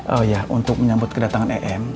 oh ya untuk menyambut kedatangan em